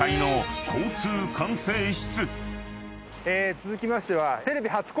続きましては。